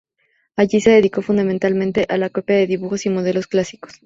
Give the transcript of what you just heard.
Allí se dedicó fundamentalmente a la copia de dibujos y modelos clásicos.